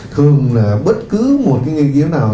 thường là bất cứ một cái nghiên cứu nào